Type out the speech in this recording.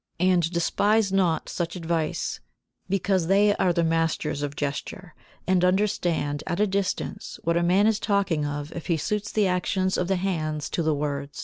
And despise not such advice because they are the masters of gesture, and understand at a distance what a man is talking of if he suits the actions of the hands to the words.